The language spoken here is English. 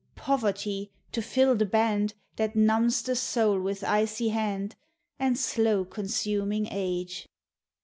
poverty, to till the band, That numbs the soul with icy hand, And slow consuming age.